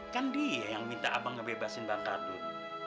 kan dia yang minta abang ngebebasin bang ardun